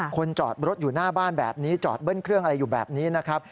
จอดรถอยู่หน้าบ้านแบบนี้จอดเบิ้ลเครื่องอะไรอยู่แบบนี้นะครับ